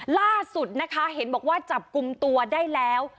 ล่าสุดนะคะเห็นบอกว่าจับกลุ่มตัวได้แล้ว